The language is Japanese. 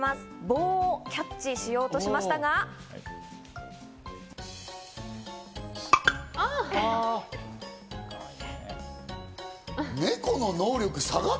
棒をキャッチしようとしたんですが。